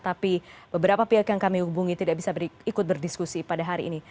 tapi beberapa pihak yang kami hubungi tidak bisa ikut berdiskusi pada hari ini